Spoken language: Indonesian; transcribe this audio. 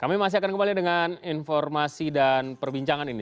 kami masih akan kembali dengan informasi dan perbincangan ini